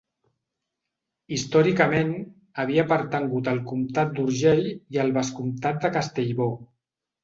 Històricament, havia pertangut al Comtat d'Urgell i al Vescomtat de Castellbò.